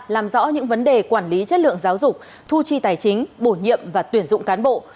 làm rõ những vấn đề quản lý chất lượng giáo dục thu chi tài chính bổ nhiệm và tuyển dụng cán bộ